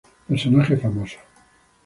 Personajes famosos